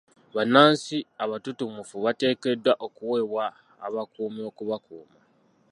Bannansi abatutumufu bateekeddwa okuweebwa abakuumi okubakuuma.